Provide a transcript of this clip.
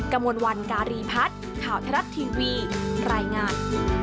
กระมวลวันการีพัฒน์ข่าวไทยรัฐทีวีรายงาน